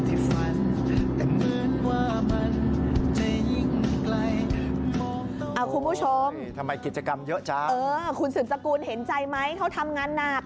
คุณผู้ชมทำไมกิจกรรมเยอะจังคุณสืบสกุลเห็นใจไหมเขาทำงานหนัก